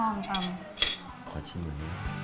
โปรดติดตามตอนต่อไป